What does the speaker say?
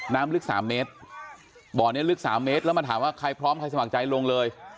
น้ำลึกสามเมตรบ่อนี้ลึก๓เมตรแล้วมาถามว่าใครพร้อมใครสมัครใจลงเลย